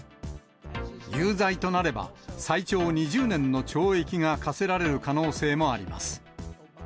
有罪となれば、最長２０年の懲役が科せられる可能性もあります。